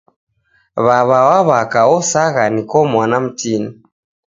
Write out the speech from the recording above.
W'aw'a wa w'aka osagha niko mwana mtini